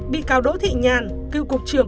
bị cáo đỗ thị nhàn cựu cục trưởng